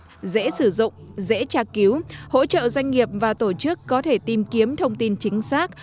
dễ sử dụng dễ tra cứu hỗ trợ doanh nghiệp và tổ chức có thể tìm kiếm thông tin chính xác